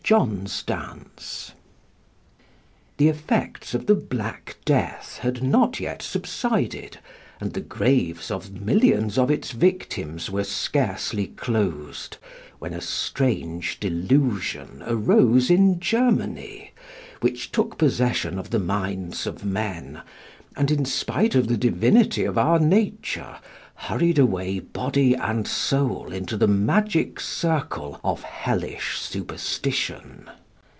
JOHN'S DANCE The effects of the Black Death had not yet subsided, and the graves of millions of its victims were scarcely closed, when a strange delusion arose in Germany, which took possession of the minds of men, and, in spite of the divinity of our nature, hurried away body and soul into the magic circle of hellish superstition.